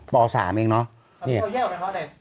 ปสามเองเนอะ